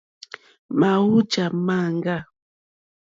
Màwújà máŋɡâ.